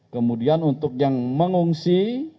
kemudian untuk yang mengungsi